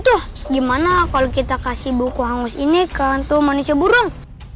tuh gimana kalau kita kasih buku hangus ini ke untuk manusia burung